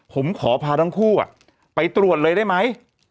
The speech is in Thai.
ผมขอพาทั้งคู่ไปตรวจเลยได้ไหม